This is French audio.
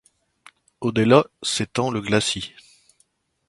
Au-delà s'étend le glacis.